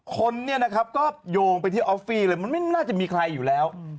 คนเนี่ยนะครับก็โยงไปที่ออฟฟี่เลยมันไม่น่าจะมีใครอยู่แล้ว